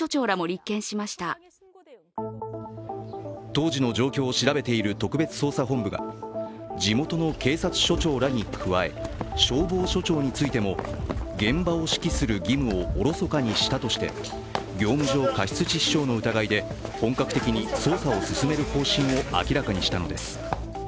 当時の状況を調べている特別捜査本部が、地元の警察署長らに加え消防署長についても現場を指揮する義務をおろそかにしたとして業務上過失致死傷の疑いで本格的に捜査を進める方針を明らかにしたのです。